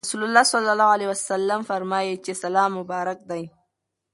رسول الله صلی الله عليه وسلم فرمایلي چې سلام مبارک دی.